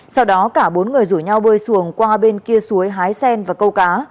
sau đó cả bốn người rủ nhau bơi xuồng qua bên kia suối hái sen và câu cá